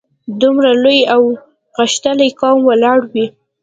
دومره لوی او غښتلی قوم ولاړ وي.